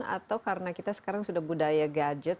atau karena kita sekarang sudah budaya gadget